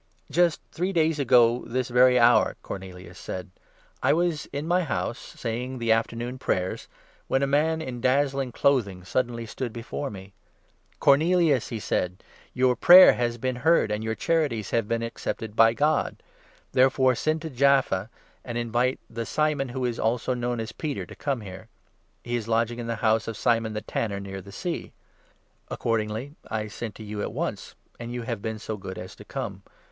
"Just three days ago this very hour," Cornelius said, "I 30 was in my house, saying the Afternoon Prayers, when a man in dazzling clothing suddenly stood before me. 'Cornelius,' 31 he said, ' your prayer has been heard, and your charities have been accepted, by God. Therefore send to Jaffa, and invite 32 the Simon, who is also known as Peter, to come here. He is lodging in the house of Simon the tanner, near the sea.' Accordingly I sent to you at once, and you have been so good 33 as to come.